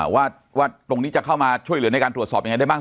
ว่าตรงนี้จะเข้ามาช่วยเหลือในการตรวจสอบยังไงได้บ้าง